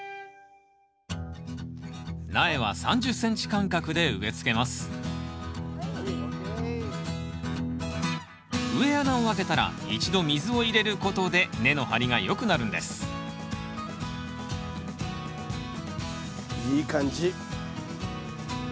苗は３０ｃｍ間隔で植えつけます植え穴を開けたら一度水を入れることで根の張りがよくなるんですいい感じ。